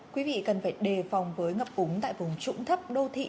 quý vị cần phải đề phòng với ngập úng tại vùng trũng thấp đô thị